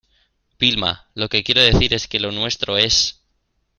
Vilma, lo que quiero decir es que lo nuestro es